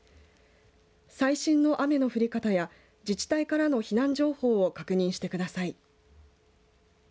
最新の雨の降り方や自治体からの避難情報を確認してください。